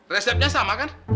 resepnya sama kan